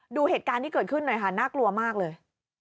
ดูเหตุการณ์ที่เกิดขึ้นหน่อยค่ะน่ากลัวมากเลย